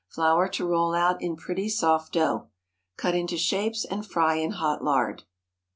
Flour to roll out in pretty soft dough. Cut into shapes and fry in hot lard.